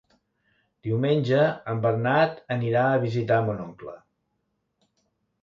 Diumenge en Bernat anirà a visitar mon oncle.